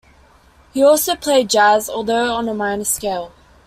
He also played jazz, although on a minor scale.